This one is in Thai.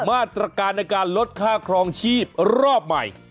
มาตรการในการลดค่าครองชีพรอบใหม่